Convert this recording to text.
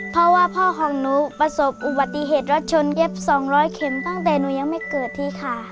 เพราะว่าพ่อของหนูประสบอุบัติเหตุรถชนเย็บ๒๐๐เข็มตั้งแต่หนูยังไม่เกิดที่ค่ะ